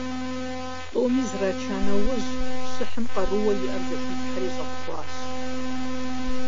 ТӀуми зрача нэужь, щыхьым къарууэ иӀэр зэхилъхьэри щӀэпхъуащ.